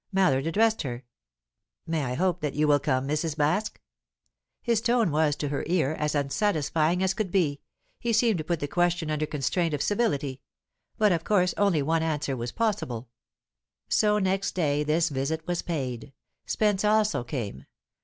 Mallard addressed her. "May I hope that you will come, Mrs. Baske?" His tone was, to her ear, as unsatisfying as could be; he seemed to put the question under constraint of civility. But, of course, only one answer was possible. So next day this visit was paid; Spence also came.